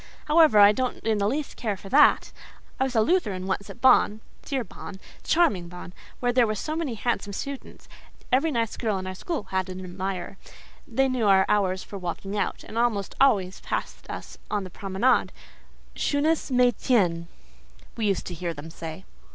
However, I don't in the least care for that. I was a Lutheran once at Bonn—dear Bonn!—charming Bonn!—where there were so many handsome students. Every nice girl in our school had an admirer; they knew our hours for walking out, and almost always passed us on the promenade: 'Schönes Mädchen,' we used to hear them say.